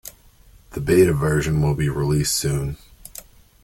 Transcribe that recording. The Beta version will be released soon.